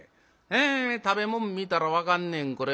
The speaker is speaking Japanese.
え食べ物見たら分かんねんこれ。